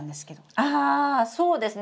あそうですね。